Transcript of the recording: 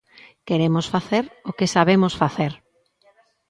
Queremos facer o que sabemos facer.